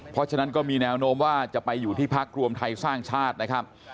เพราะฉะนั้นก็มีแนวโน้มว่าจะไปอยู่ที่พักรวมไทยสร้างชาตินะครับ